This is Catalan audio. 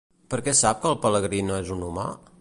Per què sap que el pelegrí no és un humà?